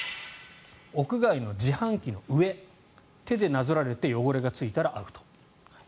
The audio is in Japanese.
屋外の自販機の上手でなぞられて汚れがついたらアウト。